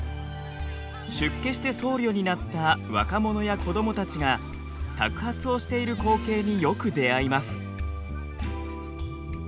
出家して僧侶になった若者や子どもたちがたく鉢をしている光景によく出会います。